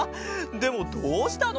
でもどうしたの？